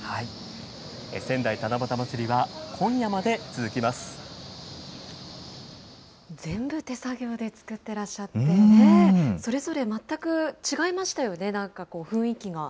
仙台七夕まつりは今夜まで続きま全部手作業で作ってらっしゃってね、それぞれ全く違いましたよね、なんか雰囲気が。